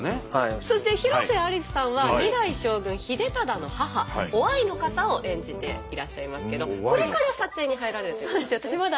そして広瀬アリスさんは二代将軍秀忠の母於愛の方を演じていらっしゃいますけどこれから撮影に入られる。